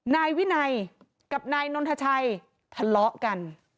นายวินัยกับนายนนทชัยทะเลาะกัน